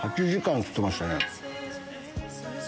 ８時間っつってましたね。